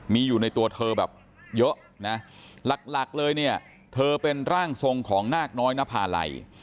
มีอยู่ในตัวเธอแบบเยอะนะหลักเลยเนี่ยเธอเป็นร่างทรงของนาคน้อยนภาลัย